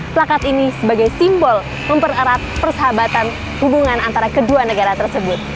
plakat ini sebagai simbol mempererat persahabatan hubungan antara kedua negara tersebut